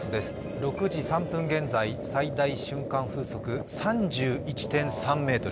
６時３分現在、最大瞬間風速３１．３メートル。